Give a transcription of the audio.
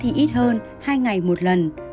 thì ít hơn hai ngày một lần